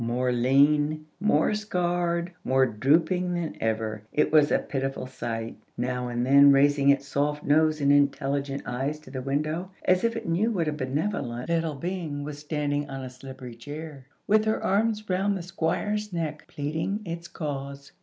More lean, more scarred, more drooping than ever, it was a pitiful sight, now and then raising its soft nose and intelligent eyes to the window, as if it knew what a benevolent little being was standing on a slippery chair, with her arms round the Squire's neck, pleading its cause.